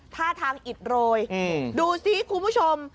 ท่าทางอิดโรยดูซิคุณผู้ชม